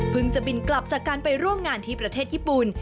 จะบินกลับจากการไปร่วมงานที่ประเทศญี่ปุ่น